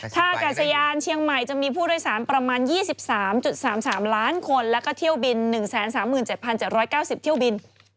ท่ากาศยานเชียงใหม่จะมีผู้โดยสารประมาณ๒๓๓ล้านคนแล้วก็เที่ยวบิน๑๓๗๗๙๐เที่ยวบิน